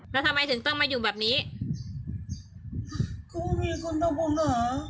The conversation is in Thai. แล้วทำไมถึงต้องมาอยู่แบบนี้ครูมีคุณทำบุญเหรอ